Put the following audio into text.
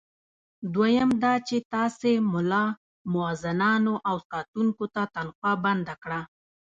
دویم دا چې تاسي ملا، مؤذنانو او ساتونکو ته تنخوا بنده کړه.